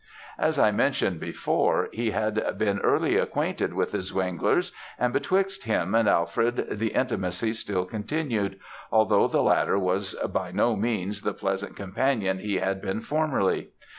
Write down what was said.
"As I mentioned before, he had been early acquainted with the Zwengler's; and betwixt him and Alfred the intimacy still continued, although the latter was by no means the pleasant companion he had been formerly.